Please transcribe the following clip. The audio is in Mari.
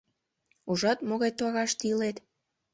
Ужат, могай тораште илет.